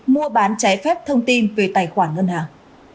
mua bán trái phép thông tin về tài khoản ngân hàng